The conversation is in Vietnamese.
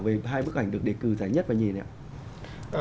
về hai bức ảnh được đề cử giải nhất và nhìn này ạ